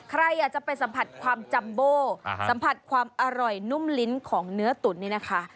ใครอยากจะไปสัมผัสความจัมโบสัมผัสความอร่อยนุ่มลิ้นของเนื้อตุ๋นนี่นะคะ